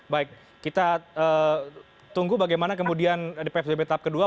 baik kita tunggu bagaimana kemudian di ppp tahap kedua